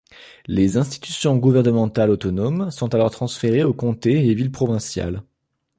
Les institutions gouvernementales autonomes sont alors transférées aux comtés et villes provinciales.